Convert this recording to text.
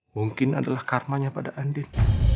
mungkin adalah karmanya pada andik